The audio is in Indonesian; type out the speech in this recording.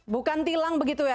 bukan tilang begitu ya